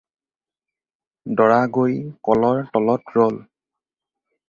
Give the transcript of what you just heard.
দৰা গৈ কলৰ তলত ৰ'ল।